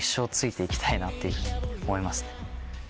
っていうふうに思いますね。